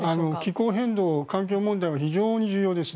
気候変動、環境問題は非常に重要です。